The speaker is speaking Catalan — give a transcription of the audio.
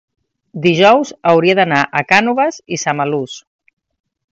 dijous hauria d'anar a Cànoves i Samalús.